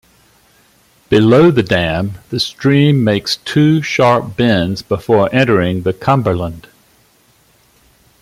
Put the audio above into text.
Below the dam the stream makes two sharp bends before entering the Cumberland.